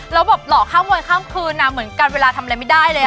แล้วแบบหลอกข้ามวันข้ามคืนเหมือนกันเวลาทำอะไรไม่ได้เลย